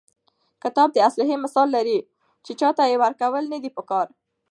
کتاب د اسلحې مثال لري، چي چا ته ئې ورکول نه دي په کار.